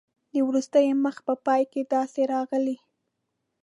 د وروستي مخ په پای کې داسې راغلي.